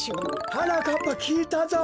はなかっぱきいたぞ。